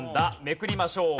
めくりましょう。